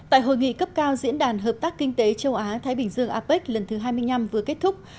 tại hội nghị cấp cao diễn đàn hợp tác kinh tế châu á thái bình dương apec lần thứ hai mươi năm vừa kết thúc